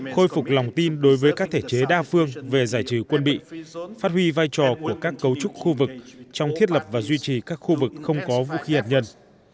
khôi phục lòng tin đối với các thể chế đa phương về giải trừ quân bị phát huy vai trò của các cấu trúc khu vực trong thiết lập và duy trì các khu vực không có vũ khí hắt nhân